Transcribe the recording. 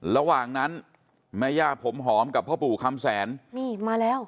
ระหว่างนั้นแม่ย่าผมหอมกับพ่อปู่คำแสนนี่มาแล้ว